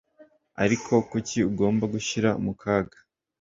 ariko kuki ugomba gushyira mu kaga? (patgfisher)